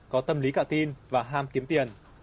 có tâm lý cạo tin và ham kiếm tiền